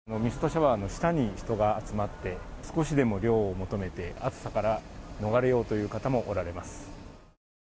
ミストシャワーの下に人が集まって少しでも涼を求めて暑さから逃れようという方もおられます。